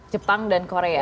jepang dan korea